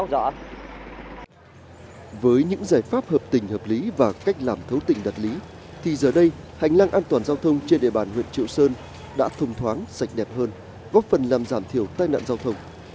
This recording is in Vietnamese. với những giải pháp hợp tình hợp lý và cách làm thấu tình đạt lý thì giờ đây hành lang an toàn giao thông trên địa bàn huyện triệu sơn đã thông thoáng sạch đẹp hơn góp phần làm giảm thiểu tai nạn giao thông